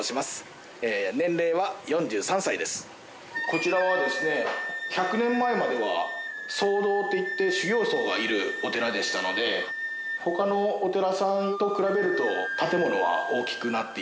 こちらはですね１００年前までは僧堂といって修行僧がいるお寺でしたので他のお寺さんと比べると建物は大きくなっています。